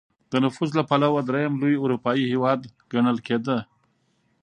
د نفوس له پلوه درېیم لوی اروپايي هېواد ګڼل کېده.